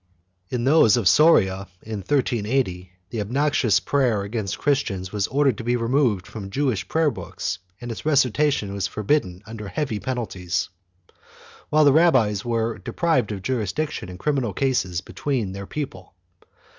In those of Soria, in 1380, the obnoxious prayer against Christians was ordered to be removed from Jewish prayer books and its recitation was for bidden under heavy penalties, while the rabbis were deprived of jurisdiction in criminal cases between their people.